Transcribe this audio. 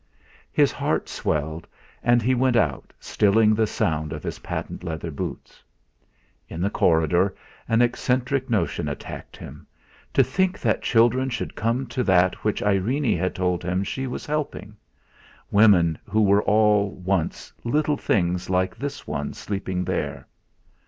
His heart swelled, and he went out, stilling the sound of his patent leather boots. In the corridor an eccentric notion attacked him: To think that children should come to that which Irene had told him she was helping! Women who were all, once, little things like this one sleeping there!